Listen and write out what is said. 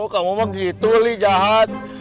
kamu emang gitu li jahat